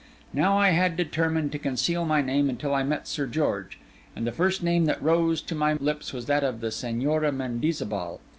Now I had determined to conceal my name until I met Sir George; and the first name that rose to my lips was that of the Señora Mendizabal.